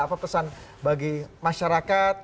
apa pesan bagi masyarakat